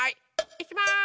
いきます。